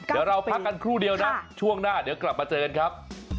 เดี๋ยวเราพักกันครู่เดียวนะช่วงหน้าเดี๋ยวกลับมาเจอกันครับ